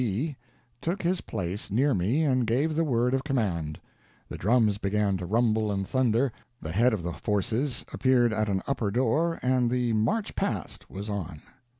B. took his place near me and gave the word of command; the drums began to rumble and thunder, the head of the forces appeared at an upper door, and the "march past" was on.